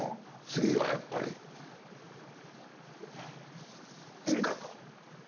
次はやっぱり円かと。